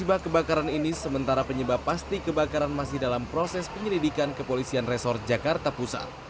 akibat kebakaran ini sementara penyebab pasti kebakaran masih dalam proses penyelidikan kepolisian resor jakarta pusat